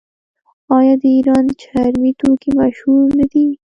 آیا د ایران چرمي توکي مشهور نه دي؟